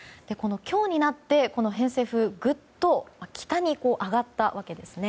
今日になって偏西風ぐっと北に上がったわけです。